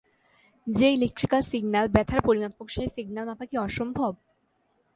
যে-ইলেকট্রিক্যাল signal ব্যথার পরিমাপক সেই সিগন্যাল মাপা কি অসম্ভব?